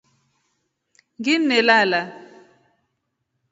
Nginnelala.